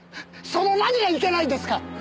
その何がいけないんですか？